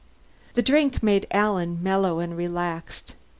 The drink made Alan mellow and relaxed.